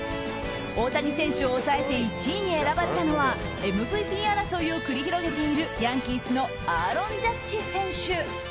大谷選手を抑えて１位に選ばれたのはＭＶＰ争いを演じているヤンキースのアーロン・ジャッジ選手。